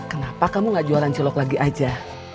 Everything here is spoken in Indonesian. kenapa kamu nggak jualan cilok lagi aja